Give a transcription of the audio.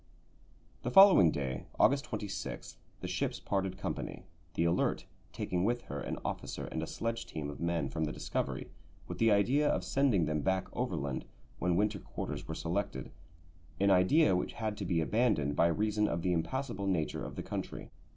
The following day, August 26, the ships parted company, the Alert taking with her an officer and a sledge team of men from the Discovery, with the idea of sending them back overland when winter quarters were selected, an idea which had to be abandoned by reason of the impassable nature of the country.